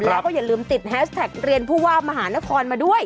แล้วก็อย่าลืมติดแฮชแท็กเรียนผู้ว่ามหานครมาด้วย